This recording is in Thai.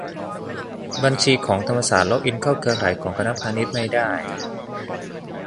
บัญชีของธรรมศาสตร์ล็อกอินเข้าเครือข่ายของคณะพาณิชย์ไม่ได้